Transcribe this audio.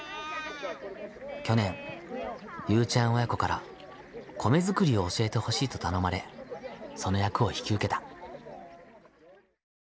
去年ゆうちゃん親子から米作りを教えてほしいと頼まれその役を引き受けた。